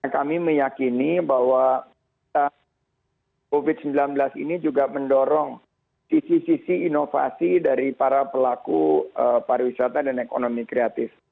kami meyakini bahwa covid sembilan belas ini juga mendorong sisi sisi inovasi dari para pelaku pariwisata dan ekonomi kreatif